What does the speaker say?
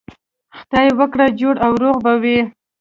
خدای وکړي جوړ او روغ به وئ.